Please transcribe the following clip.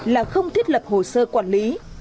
là không thiết lập hồ sơ quản lý